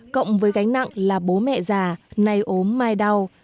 cộng với gánh nặng là bố mẹ già nay ốm mai đau